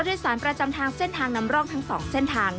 โดยสารประจำทางเส้นทางนำร่องทั้ง๒เส้นทาง